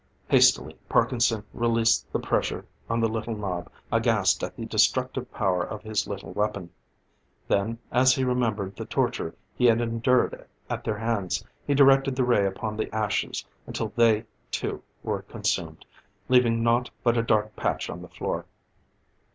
Hastily Parkinson released the pressure on the little knob, aghast at the destructive power of his little weapon. Then, as he remembered the torture he had endured at their hands, he directed the ray upon the ashes, until they, too, were consumed, leaving naught but a dark patch on the floor.